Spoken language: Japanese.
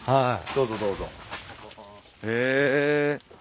どうぞどうぞ。へ。